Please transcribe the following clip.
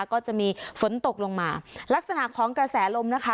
ก็จะมีฝนตกลงมาลักษณะของกระแสลมนะคะ